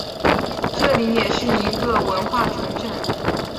这里也是一个文化重镇。